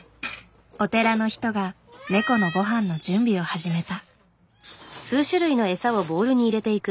お寺の人がネコのごはんの準備を始めた。